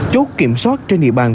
chốt kiểm soát trên địa bàn